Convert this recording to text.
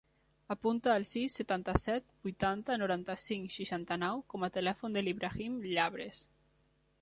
Apunta el sis, setanta-set, vuitanta, noranta-cinc, seixanta-nou com a telèfon de l'Ibrahim Llabres.